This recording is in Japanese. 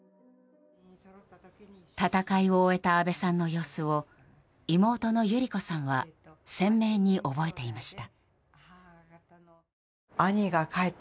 戦いを終えた阿部さんの様子を妹の百合子さんは鮮明に覚えていました。